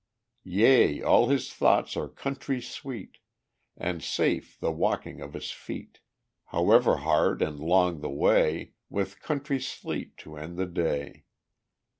Yea! all his thoughts are country sweet, And safe the walking of his feet, However hard and long the way With country sleep to end the day.